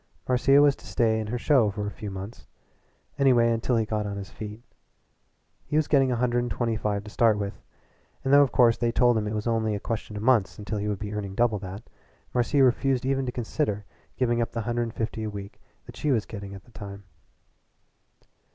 Marcia was to stay in her show for a few months anyway until he got on his feet. He was getting a hundred and twenty five to start with, and though of course they told him it was only a question of months until he would be earning double that, Marcia refused even to consider giving up the hundred and fifty a week that she was getting at the time.